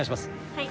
はい。